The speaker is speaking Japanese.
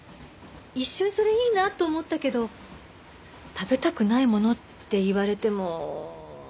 一瞬それいいなと思ったけど食べたくないものって言われても。